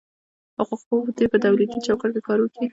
حقوق پوه دي په دولتي چوکاټ کي کار وکي.